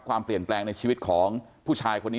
ความเปลี่ยนแปลงในชีวิตของผู้ชายคนนี้